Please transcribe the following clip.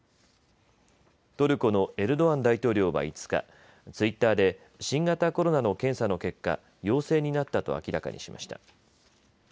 トルコのエルドアン大統領は５日、ツイッターで新型コロナの検査の結果、陽性になったと明らかにしました。